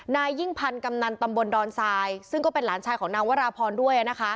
นายยิ่งพันธ์กำนันตำบลดอนทรายซึ่งก็เป็นหลานชายของนางวราพรด้วย